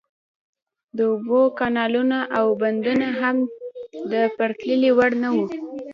د اوبو کانالونه او بندونه هم د پرتلې وړ نه وو.